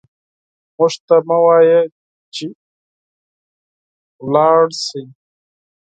موږ ته مه وايه چې لاړ شئ